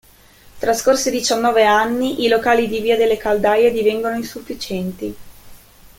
Trascorsi diciannove anni, i locali di via delle Caldaie divengono insufficienti.